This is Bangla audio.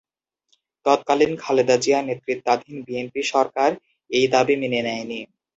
তৎকালীন খালেদা জিয়া নেতৃত্বাধীন বিএনপি সরকার এই দাবি মেনে নেয় নি।